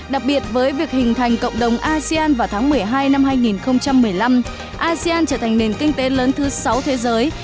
đặc biệt với việc hình thành cộng đồng asean vào tháng một mươi hai năm hai nghìn một mươi năm asean trở thành nền kinh tế lớn thứ sáu thế giới